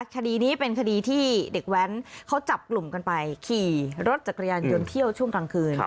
คดีนี้เป็นคดีที่เด็กแว้นเขาจับกลุ่มกันไปขี่รถจักรยานยนต์เที่ยวช่วงกลางคืน